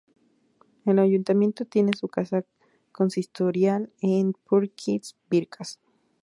El ayuntamiento tiene su casa consistorial en Pürksi-Birkas.